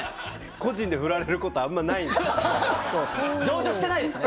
個人で振られることあんまないんで上場してないですね